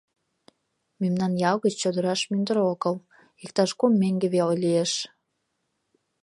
Мемнан ял гыч чодыраш мӱндыр огыл, иктаж кум меҥге веле лиеш.